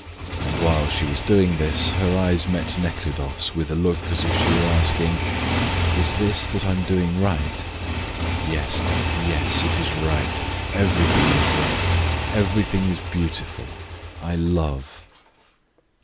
And while she was doing this her eyes met Nekhludoff's with a look as if she were asking, "Is this that I am doing right?" "Yes, dear, yes, it is right; everything is right, everything is beautiful. I love!"